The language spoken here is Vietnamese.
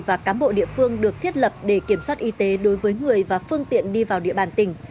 và cám bộ địa phương được thiết lập để kiểm soát y tế đối với người và phương tiện đi vào địa bàn tỉnh